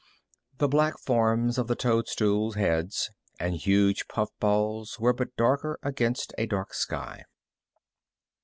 The black forms of the toadstool heads and huge puff balls were but darker against a dark sky.